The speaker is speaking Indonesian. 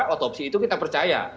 otopsi itu kita percaya